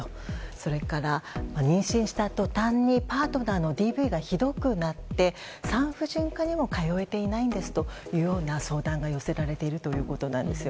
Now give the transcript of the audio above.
それから妊娠した途端にパートナーのＤＶがひどくなって産婦人科にも通えていないんですというような相談が寄せられているということなんです。